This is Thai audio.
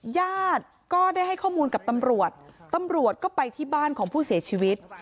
ญาติก็ได้ให้ข้อมูลกับตำรวจตำรวจก็ไปที่บ้านของผู้เสียชีวิต